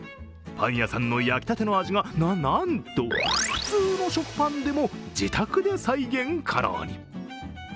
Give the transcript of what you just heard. パン屋さんの焼きたての味がな、なんと普通の食パンでも自宅で再現可能に。